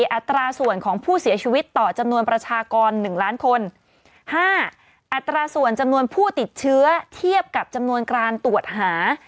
อัตราส่วนของผู้เสียชีวิตต่อจำนวนประชากร๑ล้านคนห้าอัตราส่วนจำนวนผู้ติดเชื้อเทียบกับจำนวนการตรวจหา